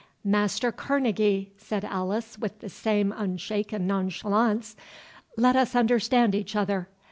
"Master Kerneguy," said Alice, with the same unshaken nonchalance, "let us understand each other.